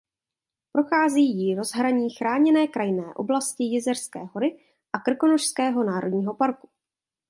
Prochází jí rozhraní Chráněné krajinné oblasti Jizerské hory a Krkonošského národního parku.